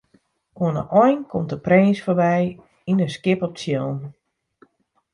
Oan de ein komt de prins foarby yn in skip op tsjillen.